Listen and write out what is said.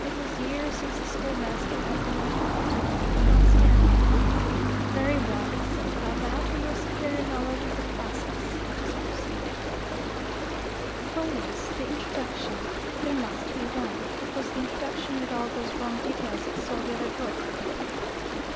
It was years since the schoolmaster had been interrupted, and he could not stand it. "Very well," he said. "I bow to your superior knowledge of the classics. Let us proceed." "Oh yes the introduction. There must be one. It was the introduction with all those wrong details that sold the other book."